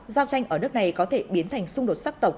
giao tranh ở nước này có thể biến thành xung đột sắc tộc